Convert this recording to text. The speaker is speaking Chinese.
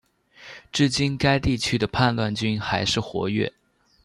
至今该地区的叛乱军还是活跃。